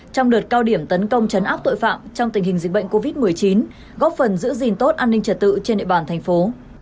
trong đợt cao điểm tấn công chấn áp tội phạm trong tình hình dịch bệnh covid một mươi chín góp phần giữ gìn tốt an ninh trật tự trên địa bàn thành phố